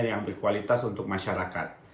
yang berkualitas untuk masyarakat